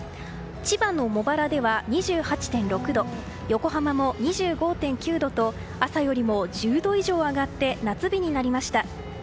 千葉の茂原では２８．６度横浜も２５．９度と朝よりも１０度以上上がって夏日になりました。